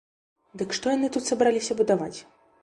Дык што яны тут сабраліся будаваць?